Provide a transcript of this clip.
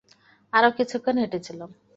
আরো কিছুক্ষণ হেঁটেছিলাম।